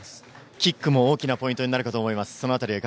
キックも大きなポイントになると思います。